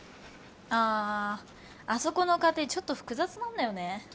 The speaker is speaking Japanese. あああそこの家庭ちょっと複雑なんだよね